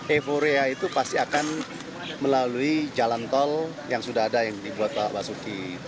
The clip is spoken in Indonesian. euforia itu pasti akan melalui jalan tol yang sudah ada yang dibuat pak basuki